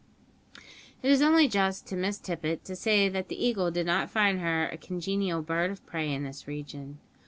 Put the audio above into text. It is only just to Miss Tippet to say that the Eagle did not find her a congenial bird of prey in this region.